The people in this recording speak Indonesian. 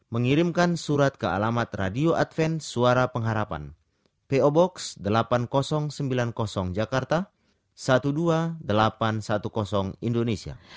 mengirimkan surat ke alamat radio advent suara pengharapan po box delapan ribu sembilan puluh jakarta dua belas ribu delapan ratus sepuluh indonesia